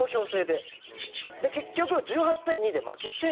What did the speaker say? で結局１８対２で負けて。